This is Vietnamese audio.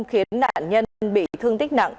khiến nạn nhân bị thương tích nặng